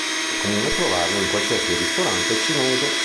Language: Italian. È comune trovarlo in qualsiasi ristorante cinese.